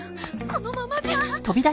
このままじゃ。